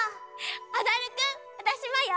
おどるくんわたしもよ！